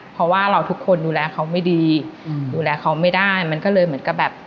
เพราะว่าเราทุกคนดูแลเขาไม่ดีดูแลเขาไม่ได้มันก็เลยเหมือนกับแบบ